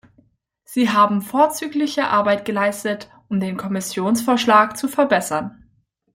Sie haben vorzügliche Arbeit geleistet, um den Kommissionsvorschlag zu verbessern.